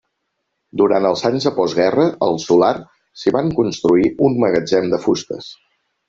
Durant els anys de postguerra, al solar s’hi va construir un magatzem de fustes.